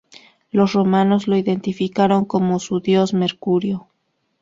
Los romanos lo identificaron como su dios Mercurio.